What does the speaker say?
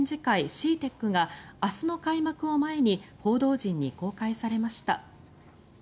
ＣＥＡＴＥＣが明日の開幕を前に報道陣に公開されました。